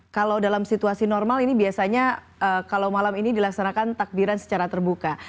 kalau dalam situasi normal ini biasanya kalau malam ini dilaksanakan takbiran secara terbuka